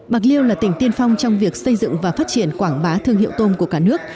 bạc liêu là tỉnh tiên phong trong việc xây dựng và phát triển quảng bá thương hiệu tôm của cả nước